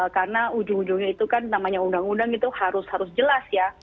karena ujung ujungnya itu kan namanya undang undang itu harus jelas ya